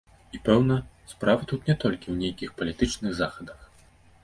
І, пэўна, справа тут не толькі ў нейкіх палітычных захадах.